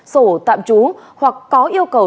sổ tạm trú hoặc có yêu cầu